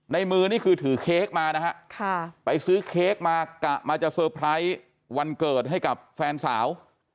ในมือนี่คือถือเค้กมานะฮะไปซื้อเค้กมากะมาจะเซอร์ไพรส์วันเกิดให้กับแฟนสาว